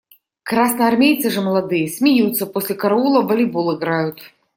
Красноармейцы же молодые – смеются, после караула в волейбол играют.